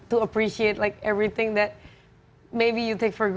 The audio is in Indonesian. mungkin anda mengambil alasan saat